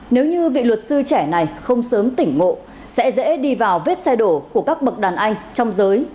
nếu như vị luật sư trẻ này không sớm tỉnh ngộ sẽ dễ đi vào vết xe đổ của các bậc đàn anh trong giới